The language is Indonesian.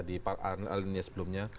di alinnya sebelumnya